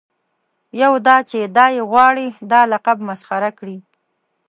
یو دا چې دای غواړي دا لقب مسخره کړي.